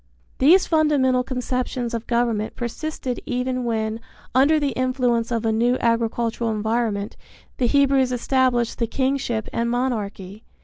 These fundamental conceptions of government persisted even when, under the influence of a new agricultural environment, the Hebrews established the kingship and monarchy.